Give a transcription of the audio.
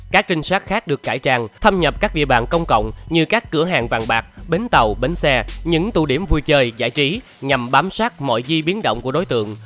các trinh sát khác được cải trang thâm nhập các địa bàn công cộng như các cửa hàng vàng bạc bến tàu bến xe những tụ điểm vui chơi giải trí nhằm bám sát mọi di biến động của đối tượng